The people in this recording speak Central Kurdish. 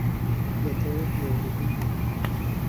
دەتەوێت لێرە بیت؟